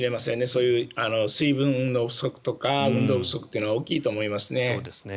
そういう水分の不足とか運動不足というのは大きいと思いますね。